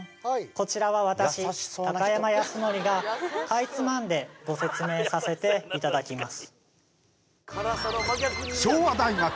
こちらは私山靖規がかいつまんでご説明させていただきます